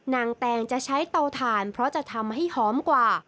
แตงจะใช้เตาถ่านเพราะจะทำให้หอมกว่า